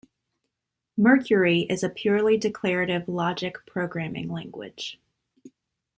Mercury is a purely declarative logic programming language.